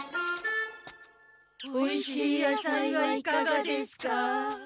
おいしいやさいはいかがですか。